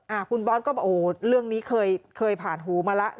อ่าคุณบอสก็เหมือนโหเรื่องนี้เคยผ่านหูมาแล้ว